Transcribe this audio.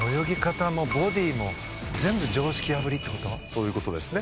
そういう事ですね。